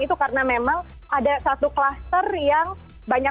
itu karena memang ada satu kluster yang banyak